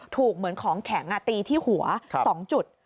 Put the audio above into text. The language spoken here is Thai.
เหมือนของแข็งตีที่หัว๒จุด